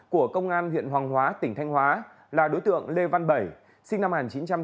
của công an huyện hoàng hóa tỉnh thanh hóa là đối tượng lê văn bảy sinh năm một nghìn chín trăm tám mươi